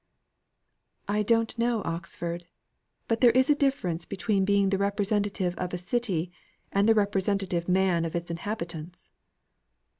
"I don't know Oxford. But there is a difference between being the representative of a city and the representative man of its inhabitants."